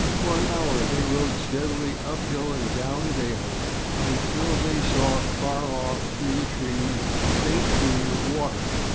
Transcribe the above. For an hour they rode steadily up hill and down dale until they saw far off through the trees the faint gleam of water.